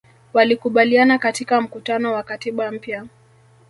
walikubaliana katika mkutano wa katiba mpya